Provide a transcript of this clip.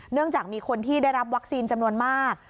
จากมีคนที่ได้รับวัคซีนจำนวนมาก